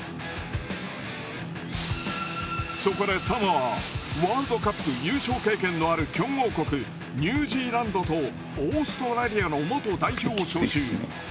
そこでサモアはワールドカップ優勝経験のある強豪国ニュージーランドとオーストラリアの元代表を招集。